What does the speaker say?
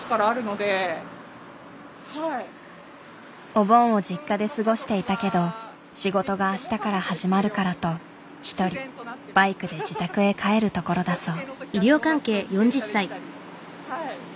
お盆を実家で過ごしていたけど仕事が明日から始まるからと一人バイクで自宅へ帰るところだそう。